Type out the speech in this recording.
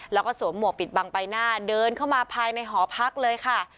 แล้วก็สวมหมวกปิดบังใบหน้าเดินเข้ามาภายในหอพักเลยค่ะ